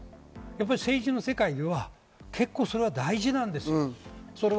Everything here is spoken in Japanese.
政治の世界にはそれは結構大事なんです。